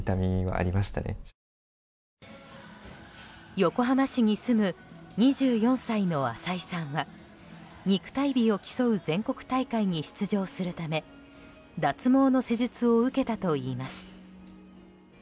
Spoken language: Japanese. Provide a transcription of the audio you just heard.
横浜市に住む２４歳の浅井さんは肉体美を競う全国大会に出場するため脱毛の施術を受けたといいます。